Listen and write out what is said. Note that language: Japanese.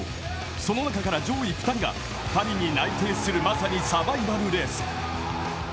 その中から上位２人がパリに内定するまさにサバイバルレース。